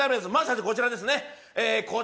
まず最初こちらですね。